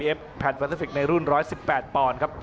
ยังเหลือคู่มวยในรายการ